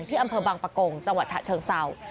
ที่อำเภอบางปะโกงจฉเชิงเซา